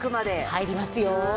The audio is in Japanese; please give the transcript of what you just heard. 入りますよ。